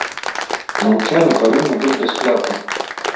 Навучанне павінна быць бясплатным.